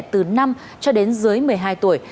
từ năm cho đến dưới một mươi hai tuổi